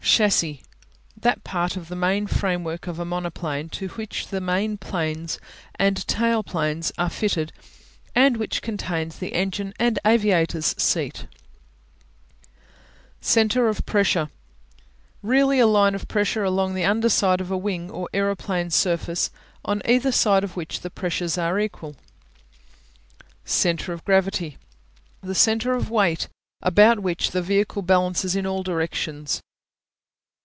Chassis (shas see) That part of the main framework of a monoplane to which the main planes and tail planes are fitted and which contains the engine and aviators seat. Center of Pressure Really a line of pressure along the under side of a wing or aeroplane surface, on either side of which the pressures are equal. Center of Gravity The center of weight, about which the vehicle balances in all directions.